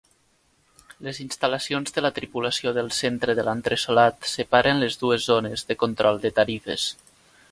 Les instal·lacions de la tripulació del centre de l'entresolat separen les dues zones de control de tarifes.